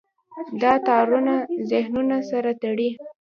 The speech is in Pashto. دا تارونه ذهنونه سره تړي.